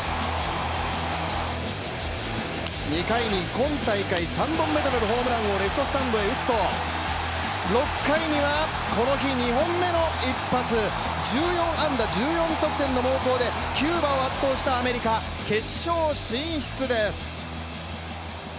２回に今大会３本目となるホームランをレフトスタンドへ打つと６回にはこの日、２本目の一発１４安打１４得点の猛攻でキューバを圧倒したアメリカ決勝進出です。